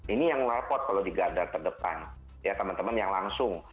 ini yang melaport kalau digadar terdepan ya teman teman yang langsung